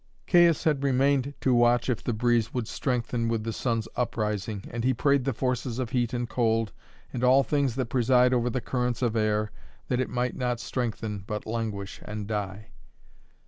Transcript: Caius had remained to watch if the breeze would strengthen with the sun's uprising, and he prayed the forces of heat and cold, and all things that preside over the currents of air, that it might not strengthen but languish and die.